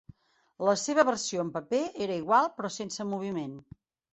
La seva versió en paper era igual però sense moviment.